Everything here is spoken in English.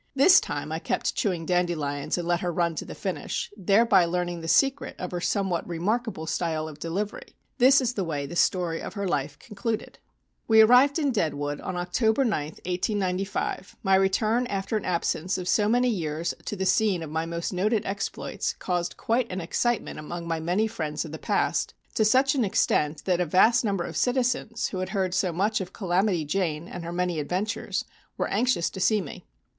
This time I kept chewing dandelions and let her run on to the finish, thereby learning the secret of her somewhat remarkable style of delivery. This is the way the story of her life concluded: "We arrived in Deadwood on October 9th, 1895. My return after an absence of so many years to the scene of my most noted exploits, created quite an excitement among my many friends of the past, to such an extent that a vast number of citizens who had heard so much of 'Calamity Jane' and her many adventures were anxious to see me.